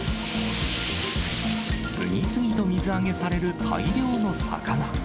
次々と水揚げされる大量の魚。